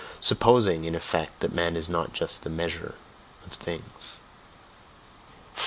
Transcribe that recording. Supposing, in effect, that man is not just the "measure of things." 4.